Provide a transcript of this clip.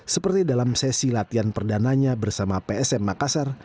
seperti dalam sesi latihan perdananya bersama psm makassar